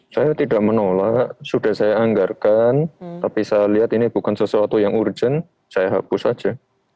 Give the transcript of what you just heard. saya tidak menolak sudah saya anggarkan tapi saya lihat ini bukan sesuatu yang urgent saya hapus saja